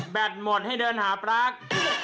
แบตหมดให้เดินหาปรัก